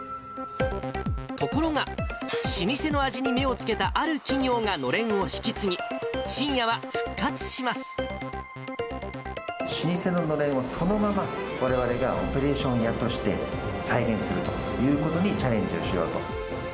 ところが、老舗の味に目をつけたある企業がのれんを引き継ぎ、ちんやは復活老舗ののれんを、そのままわれわれがオペレーション屋として再現するということにチャレンジをしようと。